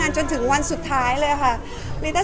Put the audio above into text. พอเสร็จจากเล็กคาเป็ดก็จะมีเยอะแยะมากมาย